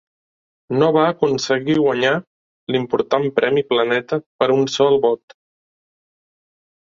No va aconseguir guanyar l'important Premi Planeta per un sol vot.